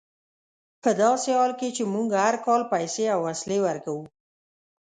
په داسې حال کې چې موږ هر کال پیسې او وسلې ورکوو.